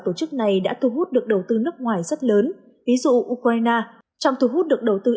tổ chức này đã thu hút được đầu tư nước ngoài rất lớn ví dụ ukraine trong thu hút được đầu tư